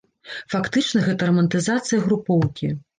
Фактычна гэта рамантызацыя групоўкі.